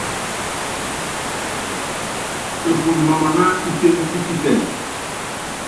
Eful mamana isény í kisɛŋ.